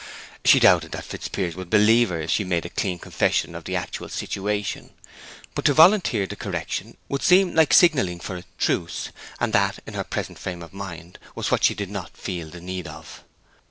She never doubted that Fitzpiers would believe her if she made a clean confession of the actual situation; but to volunteer the correction would seem like signalling for a truce, and that, in her present frame of mind, was what she did not feel the need of.